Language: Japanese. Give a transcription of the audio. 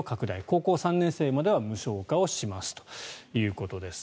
高校３年生までは無償化をしますということです。